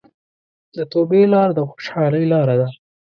د توبې لار د خوشحالۍ لاره ده.